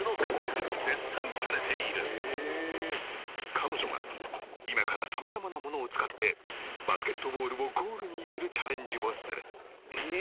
［彼女は今から様々なものを使ってバスケットボールをゴールに入れるチャレンジをする］